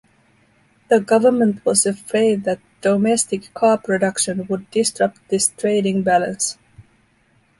The government was afraid that domestic car production would disrupt this trading balance.